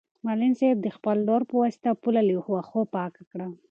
معلم صاحب د خپل لور په واسطه پوله له واښو پاکه کړه.